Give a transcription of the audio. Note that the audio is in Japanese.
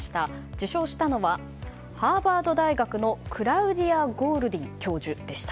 受賞したのはハーバード大学のクラウディア・ゴールディン教授でした。